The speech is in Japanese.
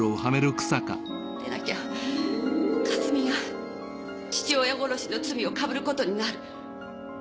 でなきゃ克巳が父親殺しの罪を被ることになる。